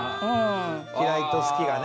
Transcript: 嫌いと好きがね。